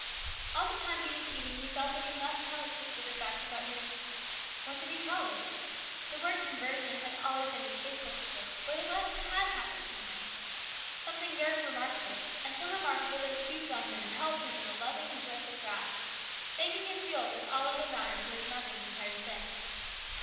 All the time he was eating he felt that he must tell his sister the facts about his what did he call it ? The word " conversion " had always been distasteful to him, but what had happened to him ? Something very remarkable, and so remarkable that it seized on him and held him in a loving and joyful grasp, making him feel that all other matters were as nothing compared with this.